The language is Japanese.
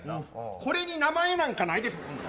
これに名前なんかないです。